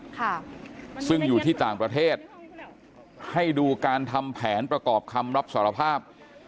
ค่ะซึ่งอยู่ที่ต่างประเทศให้ดูการทำแผนประกอบคำรับสารภาพ